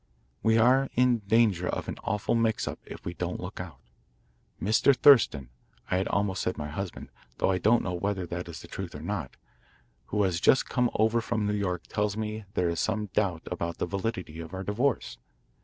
We are in danger of an awful mix up if we don't look out. Mr. Thurston I had almost said my husband, though I don't know whether that is the truth or not who has just come over from New York, tells me that there is some doubt about the validity of our divorce.